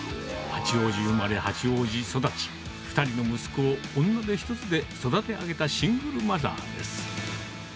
八王子育ち、２人の息子を女手一つで育て上げたシングルマザーです。